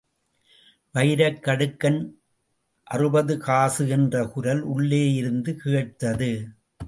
வைரக் கடுக்கன் அறுபது காசு! என்ற குரல் உள்ளேயிருந்து கேட்டது.